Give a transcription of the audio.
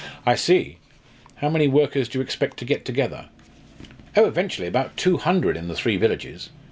"I see. How many workers do you expect to get together?" "Oh! eventually, about two hundred in the three villages.